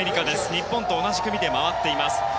日本と同じ組で回っています。